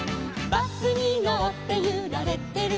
「バスにのってゆられてる」